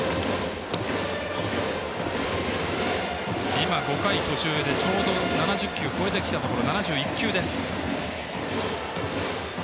今、５回途中でちょうど７０球を超えてきたところ。